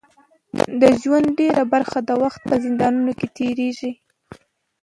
د ژوند ډیره برخه د وخت په زندانونو کې تېره کړه.